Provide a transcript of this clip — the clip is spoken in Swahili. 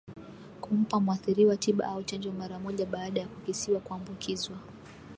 Kumpa mwathiriwa tiba au chanjo mara moja baada ya kukisiwa kuambukizwa